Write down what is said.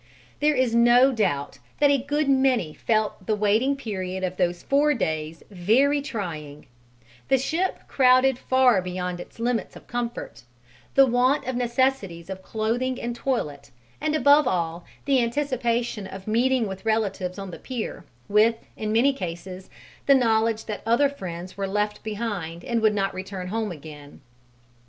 There is no doubt that a good many felt the waiting period of those four days very trying: the ship crowded far beyond its limits of comfort, the want of necessities of clothing and toilet, and above all the anticipation of meeting with relatives on the pier, with, in many cases, the knowledge that other friends were left behind and would not return home again.